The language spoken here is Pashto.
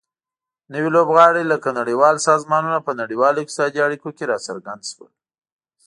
نوي لوبغاړي لکه نړیوال سازمانونه په نړیوالو اقتصادي اړیکو کې راڅرګند شول